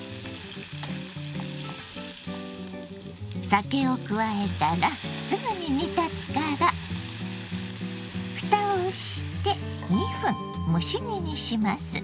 酒を加えたらすぐに煮立つからふたをして２分蒸し煮にします。